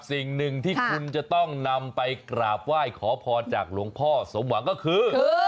สิ่งหนึ่งที่คุณจะต้องนำไปกราบไหว้ขอพรจากหลวงพ่อสมหวังก็คือ